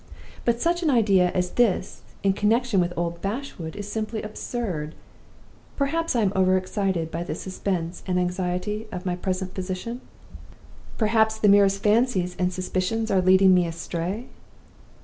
But such an idea as this in connection with old Bashwood is simply absurd. Perhaps I am overexcited by the suspense and anxiety of my present position? Perhaps the merest fancies and suspicions are leading me astray?